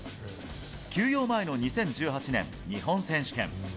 休養前の２０１８年日本選手権。